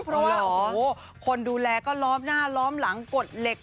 เพราะว่าโอ้โหคนดูแลก็ล้อมหน้าล้อมหลังกฎเหล็ก